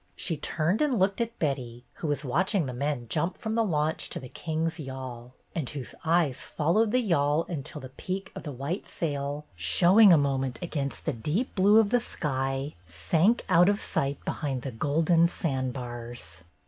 She turned and looked at Betty, who was watching the men jump from the launch to the Kings' yawl, and whose eyes followed the yawl until the peak of the white sail, show ing a moment against the deep blue of the sky, sank out of sight behind the golden sandbars.